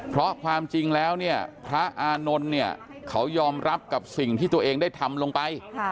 เพราะความจริงแล้วเนี่ยพระอานนท์เนี่ยเขายอมรับกับสิ่งที่ตัวเองได้ทำลงไป